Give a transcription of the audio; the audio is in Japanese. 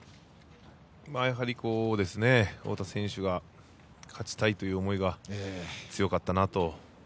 太田選手が勝ちたいという思いが強かったなと。